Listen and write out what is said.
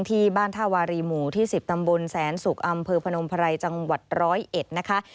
ที่บ้านท่าวารีหมู่ที่๑๐ตำบลแสนศุกร์อำเภอพนมไพรจังหวัด๑๐๑นะคะ